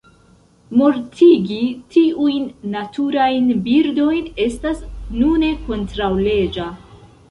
Mortigi tiujn naturajn birdojn estas nune kontraŭleĝa.